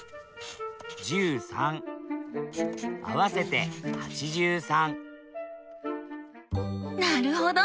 合わせて８３なるほど！